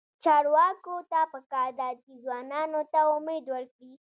چارواکو ته پکار ده چې، ځوانانو ته امید ورکړي.